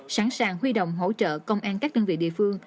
hàng huy động hỗ trợ công an các đơn vị địa phương